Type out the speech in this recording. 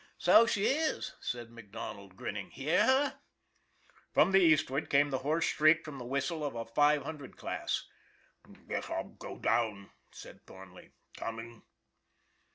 " So she is," said MacDonald, grinning. " Hear her?" From the eastward came the hoarse shriek from the whistle of a five hundred class. " Guess I'll go down," said Thornley. " Coming?